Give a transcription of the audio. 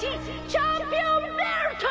チャンピオンベルト！